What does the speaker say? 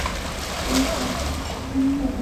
আমাকে আপনার কেমন মনে হয়?